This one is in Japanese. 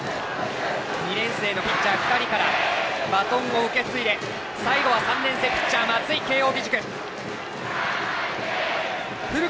２年生のピッチャー２人からバトンを受け継いで最後は３年生ピッチャー松井、慶応義塾。